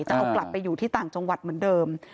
จะเอากลับไปอยู่ที่ต่างจังหวัดเหมือนเดิม